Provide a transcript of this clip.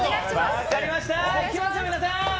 分かりました、いきますよ、皆さん。